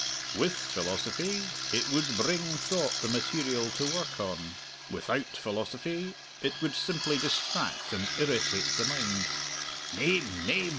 With philosophy it would bring thought the material to work on. Without philosophy it would simply distract and irritate the mind." "Name, name!"